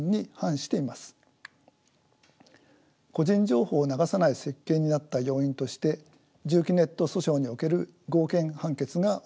個人情報を流さない設計になった要因として住基ネット訴訟における合憲判決が大きく影響しています。